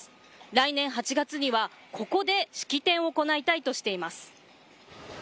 来年８月にはここで式典を行いたいとしています。